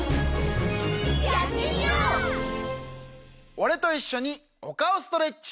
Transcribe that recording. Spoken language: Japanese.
おれといっしょにおかおストレッチ。